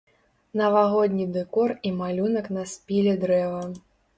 Навагодні дэкор і малюнак на спіле дрэва.